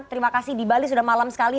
terima kasih di bali sudah malam sekali